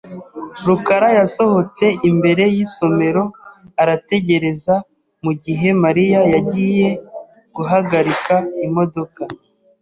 rukara yasohotse imbere yisomero arategereza mugihe Mariya yagiye guhagarika imodoka .